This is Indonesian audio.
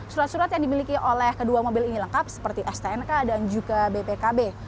surat surat yang dimiliki oleh kedua mobil ini lengkap seperti stnk dan juga bpkb